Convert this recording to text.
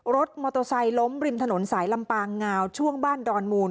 รถมอเตอร์ไซค์ล้มริมถนนสายลำปางงาวช่วงบ้านดอนมูล